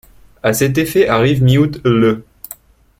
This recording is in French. À cet effet arrive mi-août l'.